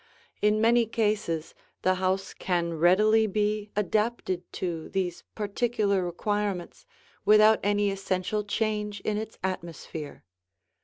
In many cases the house can readily be adapted to these particular requirements without any essential change in its atmosphere.